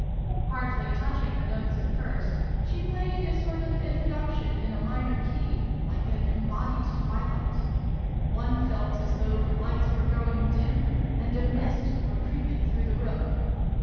Hardly touching the notes at first, she played a sort of introduction in a minor key like an embodied twilight ; one felt as though the lights were growing dim, and a mist were creeping through the room.